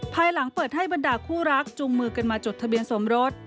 ภายหลังเปิดให้บรรดาคู่รักจูงมือกันมาจดทะเบียนสมรส